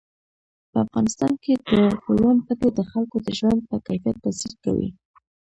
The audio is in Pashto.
په افغانستان کې د بولان پټي د خلکو د ژوند په کیفیت تاثیر کوي.